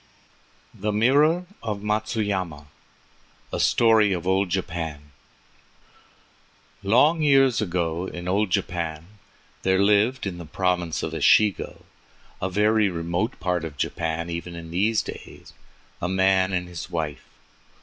THE MIRROR OF MATSUYAMA A STORY OF OLD JAPAN Long years ago in old Japan there lived in the Province of Echigo, a very remote part of Japan even in these days, a man and his wife.